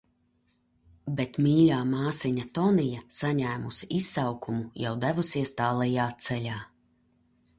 Bet mīļā māsiņa Tonija, saņēmusi izsaukumu, jau devusies tālajā ceļā.